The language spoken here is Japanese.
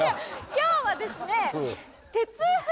今日はですね。